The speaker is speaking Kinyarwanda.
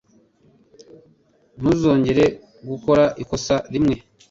Ntuzongere gukora ikosa rimwe.